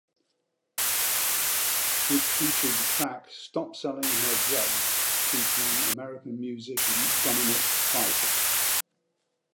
It featured the track "Stop Selling Her Drugs" featuring American musician Dominic Fike.